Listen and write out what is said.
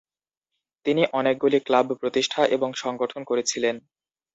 তিনি অনেকগুলি ক্লাব প্রতিষ্ঠা এবং সংগঠন করেছিলেন।